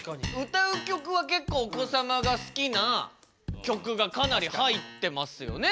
歌う曲は結構お子さまが好きな曲がかなり入ってますよね。